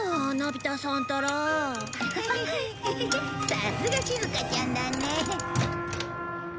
さすがしずかちゃんだね。